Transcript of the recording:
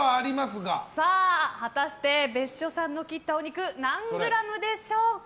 果たして別所さんの切ったお肉何グラムでしょうか？